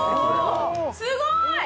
すごい！